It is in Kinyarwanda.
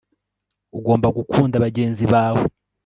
ugomba gukunda bagenzi bawe